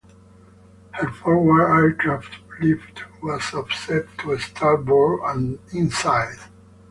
Her forward aircraft lift was offset to starboard and in size.